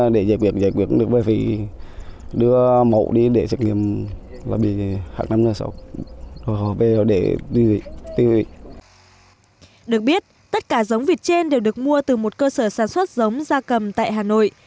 được biết tất cả giống vịt trên đều được mua từ một cơ sở sản xuất giống da cầm tại hà nội